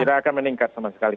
tidak akan meningkat sama sekali